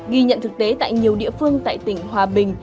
ghi nhận thực tế tại nhiều địa phương tại tỉnh hòa bình